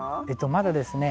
まだですね